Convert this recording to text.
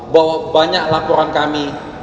bahwa banyak laporan kami